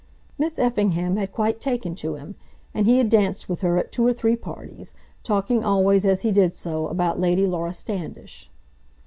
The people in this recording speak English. Miss Effingham had quite taken to him, and he had danced with her at two or three parties, talking always, as he did so, about Lady Laura Standish.